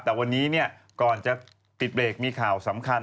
แต่วันนี้ก่อนจะปิดเบรกมีข่าวสำคัญ